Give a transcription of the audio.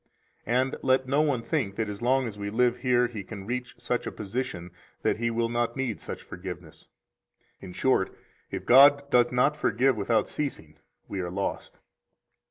91 And let no one think that as long as we live here he can reach such a position that he will not need such forgiveness. In short, if God does not forgive without ceasing, we are lost.